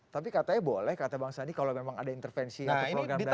tapi katanya boleh kata bang sandi kalau memang ada intervensi atau program tadi